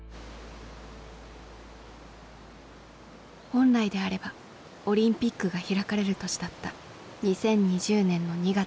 本来であればオリンピックが開かれる年だった２０２０年の２月。